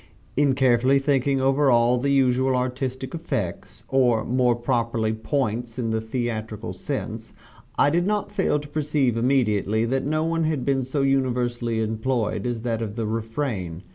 In carefully thinking over all the usual artistic effects or more properly points, in the theatrical sense I did not fail to perceive immediately that no one had been so universally employed as that of the refrain.